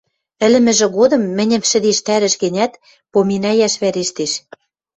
— ӹлӹмӹжӹ годым мӹньӹм шӹдештӓрӹш гӹнят, поминӓйӓш вӓрештеш...